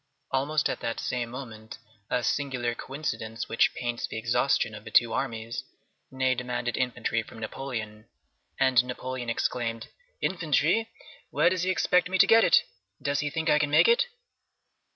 Almost at that same moment, a singular coincidence which paints the exhaustion of the two armies, Ney demanded infantry from Napoleon, and Napoleon exclaimed, "Infantry! Where does he expect me to get it? Does he think I can make it?"